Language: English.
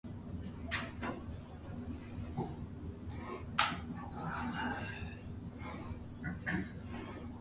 Vorobyev accused Americans, but especially the Blackhawks organization, of being biased against Russians.